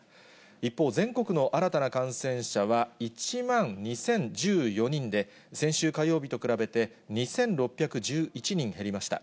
一方、全国の新たな感染者は１万２０１４人で、先週火曜日と比べて２６１１人減りました。